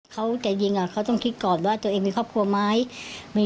โดยยิงที่เป็นคนหลักยิงแล้วตัวเองติดคลุกไป